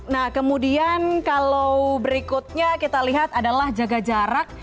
nah kemudian kalau berikutnya kita lihat adalah jaga jarak